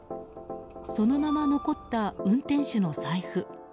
そのまま残った運転手の財布。